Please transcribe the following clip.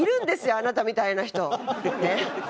あなたみたいな人。